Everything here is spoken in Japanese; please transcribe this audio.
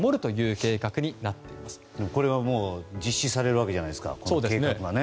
この計画は実施されるわけじゃないですか。